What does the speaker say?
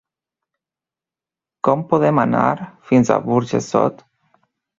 Com podem anar fins a Burjassot?